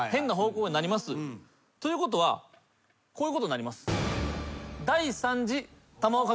ということはこういうことになります。